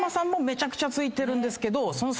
めちゃくちゃ憑いてるんですけどその。